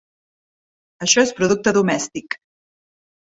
Això és producte domèstic.